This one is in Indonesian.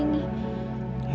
ini akan menjadi